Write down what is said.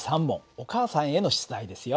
お母さんへの出題ですよ。